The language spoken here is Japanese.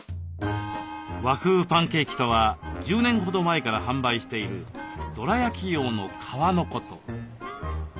和風パンケーキとは１０年ほど前から販売しているどら焼き用の皮のこと。